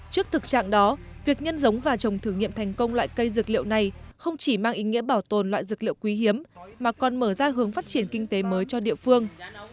trước thực trạng đó việc nhân giống và trồng thử nghiệm thành công loại cây dược liệu này không chỉ mang ý nghĩa bảo tồn loại dược liệu quý hiếm mà còn mở ra hướng phát triển kinh tế mới cho địa phương